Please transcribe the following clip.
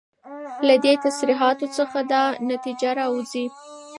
له دي تصريحاتو څخه دا نتيجه راوځي